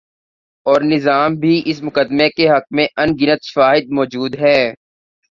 اورنظام بھی اس مقدمے کے حق میں ان گنت شواہد مو جود ہیں۔